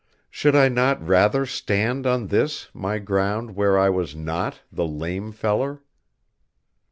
Should I not rather stand on this my ground where I was not the "lame feller"?